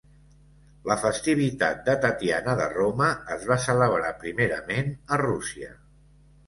La festivitat de Tatiana de Roma es va celebrar primerament a Rússia.